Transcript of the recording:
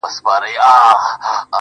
عاقل نه سوې چي مي څومره خوارۍ وکړې,